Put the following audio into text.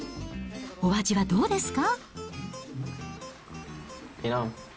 お味はどうですか？